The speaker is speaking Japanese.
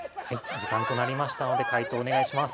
時間となりましたので解答お願いします。